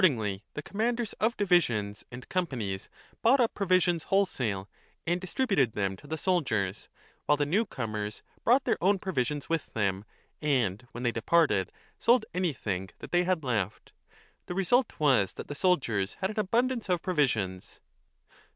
2 1350^ ingly the commanders of divisions and companies bought up provisions wholesale and distributed them to the soldiers, while the newcomers brought their own provisions with them and, when they departed, sold anything that they had left. The result was that the soldiers had an abundance of provisions.